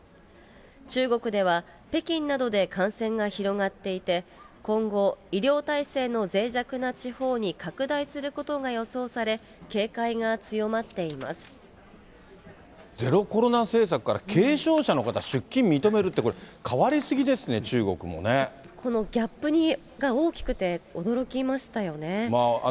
中国では、北京などで感染が広がっていて、今後、医療体制のぜい弱な地方に拡大することが予想され、警戒が強まっゼロコロナ政策から、軽症者の方、出勤認めるって、これ、このギャップが大きくて、驚きましたよね。